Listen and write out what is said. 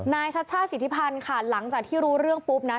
ชัชชาติสิทธิพันธ์ค่ะหลังจากที่รู้เรื่องปุ๊บนะ